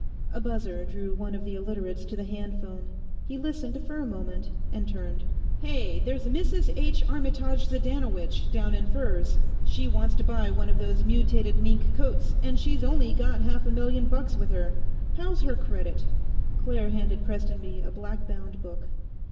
A buzzer drew one of the Illiterates to a handphone. He listened for a moment, and turned. "Hey, there's a Mrs. H. Armytage Zydanowycz down in Furs; she wants to buy one of those mutated mink coats, and she's only got half a million bucks with her. How's her credit?" Claire handed Prestonby a black bound book.